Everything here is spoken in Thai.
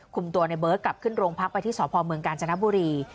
คุมตัวในเบิร์ตกลับขึ้นโรงพักไปที่สพเมืองกาญจนบุรี